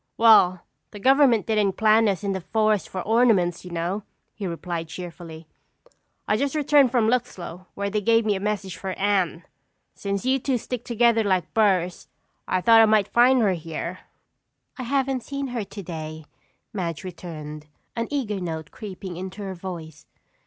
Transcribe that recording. "Well, the government didn't plant us in the forest for ornaments, you know," he replied cheerfully. "I just returned from Luxlow where they gave me a message for Anne. Since you two stick together like burrs I thought I might find her here." "I haven't seen her today," Madge returned, an eager note creeping into her voice.